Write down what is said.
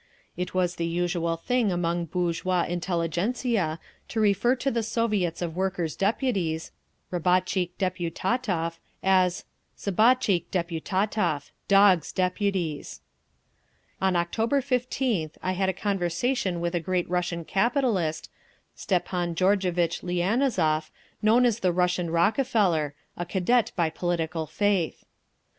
It was the usual thing among bourgeois intelligentzia to refer to the Soviets of Workers' Deputies (Rabotchikh Deputatov) as Sabatchikh Deputatov—Dogs' Deputies. On October 15th I had a conversation with a great Russian capitalist, Stepan Georgevitch Lianozov, known as the "Russian Rockefeller"—a Cadet by political faith.